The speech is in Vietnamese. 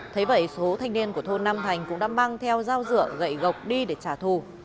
thế vậy số thanh niên của thôn nam thành cũng đã mang theo dao rửa gậy gọc đi để trả thù